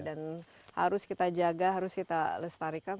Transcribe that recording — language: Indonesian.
dan harus kita jaga harus kita lestarikan